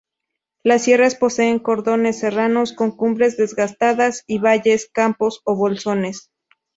Las sierras poseen cordones serranos con cumbres desgastadas, y valles, campos ó bolsones.